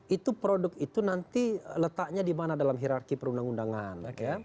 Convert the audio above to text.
itu produk itu nanti letaknya di mana dalam hirarki perundang undangan